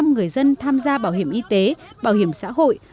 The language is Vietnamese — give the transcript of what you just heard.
tám mươi năm người dân tham gia bảo hiểm y tế bảo hiểm xã hội